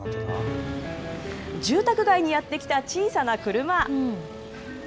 住宅街にやって来た小さな車。